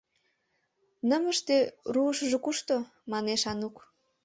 — Нымыште руышыжо кушто? — манеш Анук.